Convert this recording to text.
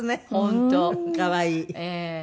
可愛い。